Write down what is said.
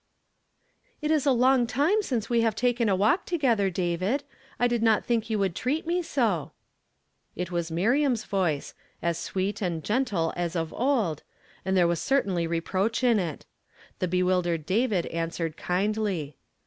" It is a lonpr time since we have taken a walk together, David. I did not think you would treat me so !" Jt was Miriam's voice, as sweet and geufle as of old, and there was certainly reproach in it. The bewildered David answered kindly.